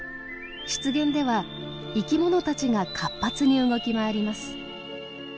湿原では生き物たちが活発に動き回ります。